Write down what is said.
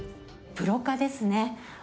プロ化ですね。